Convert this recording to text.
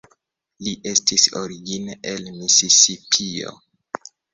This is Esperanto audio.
Li estis origine el Misisipio.